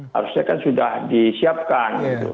harusnya kan sudah disiapkan